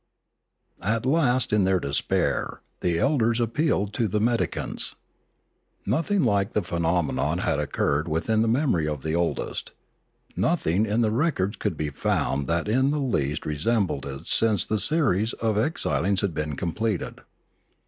At last in their despair the elders appealed to the medicants. Nothing like the phenomenon had oc curred within the memory of the oldest; nothing in the records could be found that in the least resembled it since the series of exilings had been completed.